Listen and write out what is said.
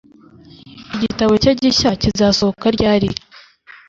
Igitabo cye gishya kizasohoka ryari